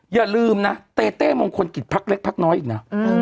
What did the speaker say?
อย่าลืมนะเต้เต้มงคลกิจพักเล็กพักน้อยอีกนะ